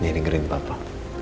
nih ringerin papa